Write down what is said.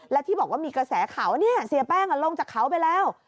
และที่บอกว่ามีกระแสข่าวว่าเสียแป้งลงจากเขาไปแล้ว